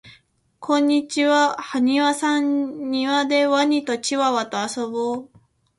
こんにちははにわさんにわでワニとチワワとあそぼう